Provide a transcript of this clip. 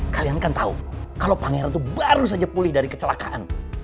kalian kan tau kalo pangeran tuh baru saja pulih dari kecelakaan